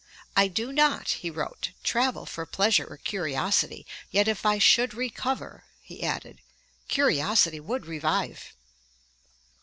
'I do not,' he wrote, 'travel for pleasure or curiosity; yet if I should recover,' he added, 'curiosity would revive.'